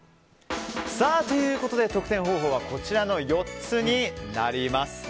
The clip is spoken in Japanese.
ということで得点方法はこちらの４つになります。